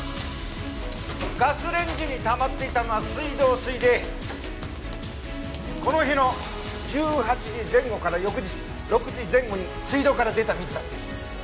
ガスレンジに溜まっていたのは水道水でこの日の１８時前後から翌日６時前後に水道から出た水だって。